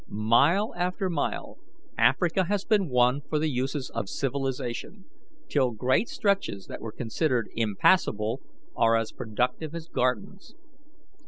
Mile after mile Africa has been won for the uses of civilization, till great stretches that were considered impassible are as productive as gardens.